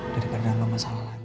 daripada ngga masalah lagi